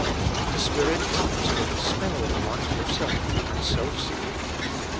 The Spirit comes to expel the life of self and self seeking.